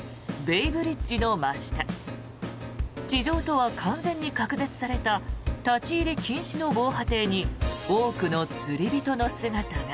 ベイブリッジの真下地上とは完全に隔絶された立ち入り禁止の防波堤に多くの釣り人の姿が。